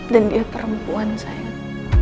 dan dia perempuan sayang